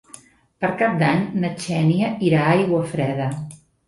Per Cap d'Any na Xènia irà a Aiguafreda.